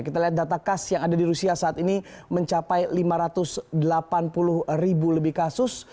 kita lihat data kas yang ada di rusia saat ini mencapai lima ratus delapan puluh ribu lebih kasus